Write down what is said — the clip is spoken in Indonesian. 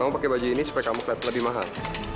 kamu pakai baju ini supaya kamu kelihatan lebih mahal